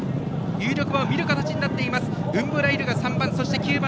有力馬を見る形になっています。